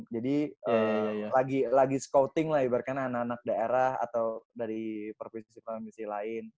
jadi lagi scouting lah ibar ibarkan anak anak daerah atau dari provinsi provinsi lain